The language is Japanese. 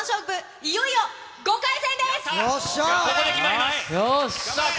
いよいよ５回戦です。